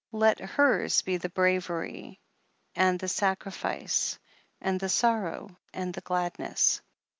Let hers be the bravery, and the sacrifice, and the sorrow, and the gladness.